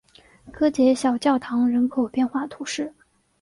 戈捷小教堂人口变化图示